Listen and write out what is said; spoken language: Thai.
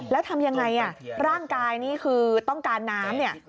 แล้วทำอย่างไรร่างกายนี่คือต้องการน้ำ